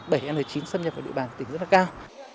dịch cúm ah bảy n chín xâm nhập vào địa bàn tỉnh rất là cao